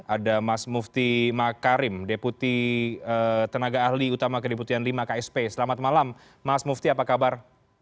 ada mas mufti makarim deputi tenaga ahli utama kedeputian lima ksp selamat malam mas mufti apa kabar